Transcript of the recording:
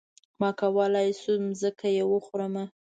ما کولی شو ځمکه يې وخورمه.